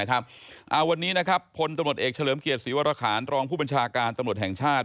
วันนี้พลตำรวจเอกเฉลิมเกียรติศรีวรคารรองผู้บัญชาการตำรวจแห่งชาติ